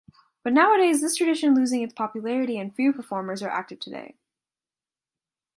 But nowadays this tradition losing its popularity and few performers are active today.